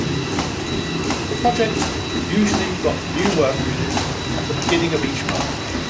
The project usually got new work units at the beginning of each month.